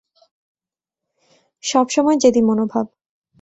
সবসময় জেদি মনোভাব।